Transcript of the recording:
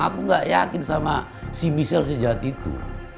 aku gak yakin sama si misil sejahat itu